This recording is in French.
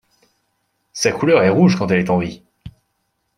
Sa couleur est rouge quand elle est en vie.